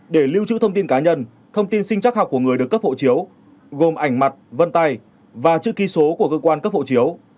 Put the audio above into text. để lưu trữ thông tin cá nhân thông tin sinh chắc học của người được cấp hộ chiếu gồm ảnh mặt vân tay và chữ ký số của cơ quan cấp hộ chiếu